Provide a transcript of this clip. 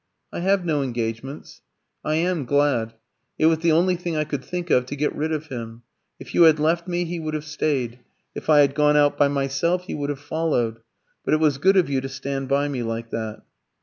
"I have no engagements." "I am glad. It was the only thing I could think of to get rid of him. If you had left me, he would have stayed; if I had gone out by myself, he would have followed. But it was good of you to stand by me like that."